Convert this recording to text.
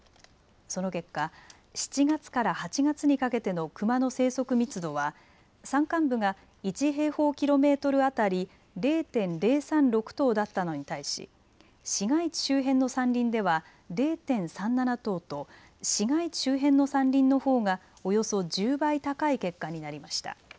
その結果、７月から８月にかけてのクマの生息密度は山間部が１平方キロメートル当たり０．０３６頭だったのに対し、市街地周辺の山林では０．３７頭と市街地周辺の山林のほうがおよそ１０倍高い結果になりました。